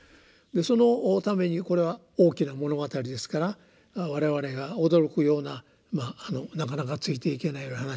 そのためにこれは大きな物語ですから我々が驚くようななかなかついていけないような話が展開するわけです。